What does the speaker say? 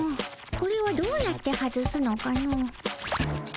これはどうやって外すのかの？